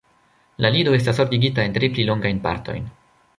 La lido estas ordigita en tri pli longajn partojn.